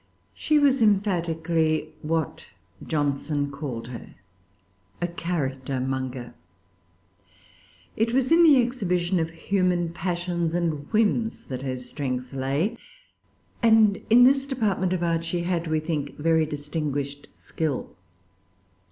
She was emphatically what Johnson called her, a character monger. It was in the exhibition of human passions and whims that her strength lay; and in this department of art she had, we think, very distinguished skill.